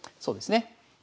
そうですね。